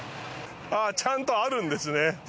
あぁちゃんとあるんですね。